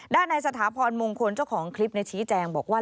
ด้านในสถาพรมงคลเจ้าของคลิปชี้แจงบอกว่า